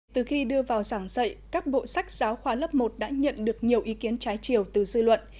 từ khi đưa vào giảng dạy các bộ sách giáo khoa lớp một đã nhận được nhiều ý kiến trái chiều từ dư luận